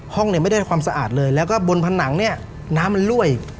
ห้องไม่ได้ความสะอาดเลยแล้วก็บนผนังน้ำมันร่วย